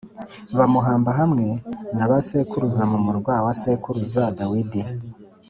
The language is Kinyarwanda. bamuhamba hamwe na ba sekuruza mu murwa wa sekuruza Dawidi